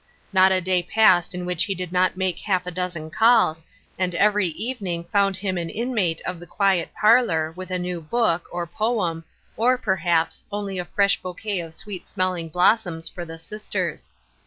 Not a day passed in which he did not make half a dozen calls, and every evening found him an inmate of the quiet parlor, with a new book, or poem, or, perhaps, only a fresh bouquet of sweet smelling blossoms, for the sisters.